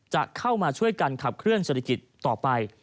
จะเข้ามาช่วยกันขับเคลื่อนเศรษฐกิจต่อไป